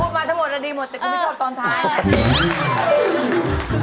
พูดมาทั้งหมดแล้วดีหมดแต่กูไม่ชอบตอนท้าย